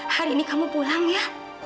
hari ini kamu pulang ya